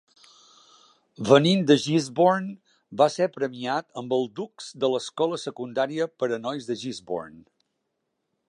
Venint de Gisborne, va ser premiat amb el Dux de l'Escola Secundària per a nois de Gisborne.